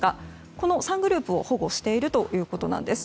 この３グループを保護しているということなんです。